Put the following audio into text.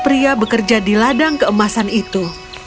pria bekerja di ladang keemasan itu